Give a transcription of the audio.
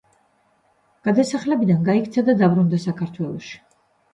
გადასახლებიდან გაიქცა და დაბრუნდა საქართველოში.